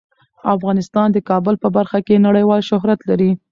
افغانستان د کابل په برخه کې نړیوال شهرت لري.